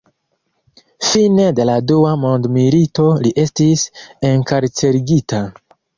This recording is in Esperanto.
Fine de la dua mondmilito li estis enkarcerigita.